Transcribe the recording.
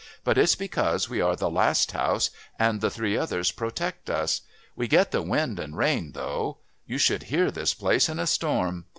But it's because we are the last house, and the three others protect us. We get the wind and rain, though. You should hear this place in a storm.